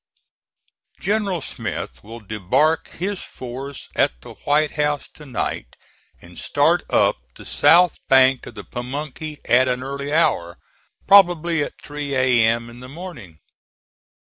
General Smith will debark his force at the White House tonight and start up the south bank of the Pamunkey at an early hour, probably at 3 A.M. in the morning.